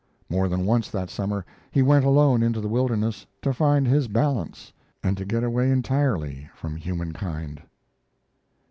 More than once that summer he went alone into the wilderness to find his balance and to get away entirely from humankind.